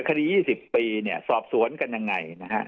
คดี๒๐ปีเนี่ยสอบสวนกันยังไงนะฮะ